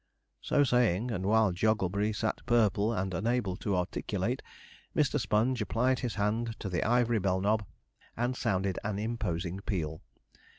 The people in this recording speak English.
So saying, and while Jogglebury sat purple and unable to articulate, Mr. Sponge applied his hand to the ivory bell knob and sounded an imposing peal.